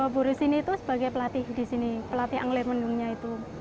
buru sini itu sebagai pelatih di sini pelatih anglir mendungnya itu